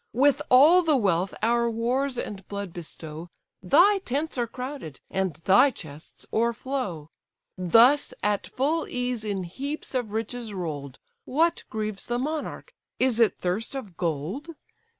With all the wealth our wars and blood bestow, Thy tents are crowded and thy chests o'erflow. Thus at full ease in heaps of riches roll'd, What grieves the monarch? Is it thirst of gold?